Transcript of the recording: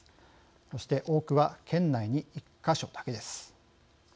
そして多くは県内に１か所だけです。